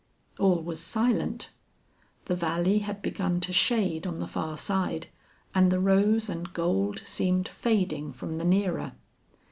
All was silent. The valley had begun to shade on the far side and the rose and gold seemed fading from the nearer.